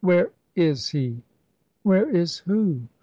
"Where is he?" "Where is who?"